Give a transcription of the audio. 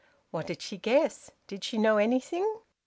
What did she guess? Did she know anything?